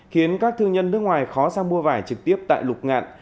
khiến các thương nhân nước ngoài khó sang mua vải trực tiếp tại lục ngạn